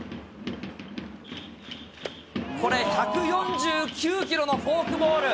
これ、１４９キロのフォークボール。